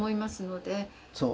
そう。